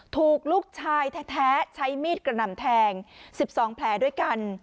ถูกลูกชายแท้ใช้มีดกระหน่ำแทง๑๒แผลด้วยกัน